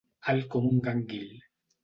Alt com un gànguil.